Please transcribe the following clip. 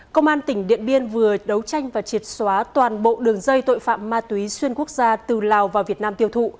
công an tỉnh điện biên vừa đấu tranh và triệt xóa toàn bộ đường dây tội phạm ma túy xuyên quốc gia từ lào vào việt nam tiêu thụ